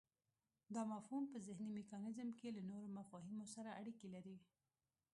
دا مفهوم په ذهني میکانیزم کې له نورو مفاهیمو سره اړیکی لري